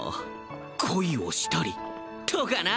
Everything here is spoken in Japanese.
恋をしたりとかな